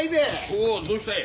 おおどしたい。